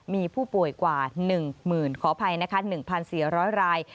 มีผู้ป่วยกว่า๑หมื่นขออภัยนะคะ๑๔๐๐ราย